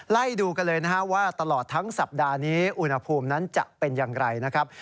ไล่ดูกันเลยนะฮะว่าตลอดทั้งสัปดาห์นี้อุณหภูมินั้นจะเป็นอย่างไรนะครับ